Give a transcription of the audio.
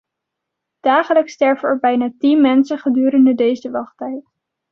Dagelijks sterven er bijna tien mensen gedurende deze wachttijd.